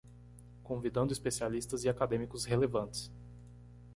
Convidando especialistas e acadêmicos relevantes